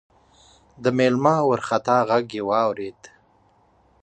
د مېلمه وارخطا غږ يې واورېد: